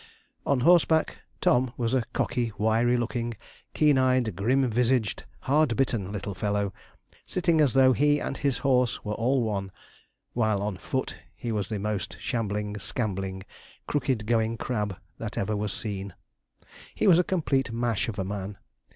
On horseback, Tom was a cockey, wiry looking, keen eyed, grim visaged, hard bitten little fellow, sitting as though he and his horse were all one, while on foot he was the most shambling, scambling, crooked going crab that ever was seen. He was a complete mash of a man.